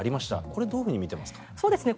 これ、どういうふうに見ていますか？